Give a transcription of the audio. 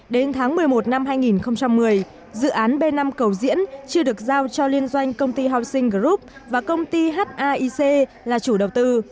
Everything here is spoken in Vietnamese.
đến tháng một mươi một năm hai nghìn một mươi dự án b năm cầu diễn chưa được giao cho liên doanh công ty housing group và công ty haic là chủ đầu tư